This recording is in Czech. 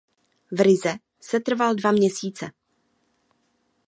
V Rize setrval dva měsíce.